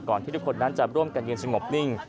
ที่ทุกคนนั้นจะร่วมกันยืนสงบนิ่ง